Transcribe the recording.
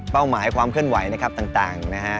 หมายความเคลื่อนไหวนะครับต่างนะฮะ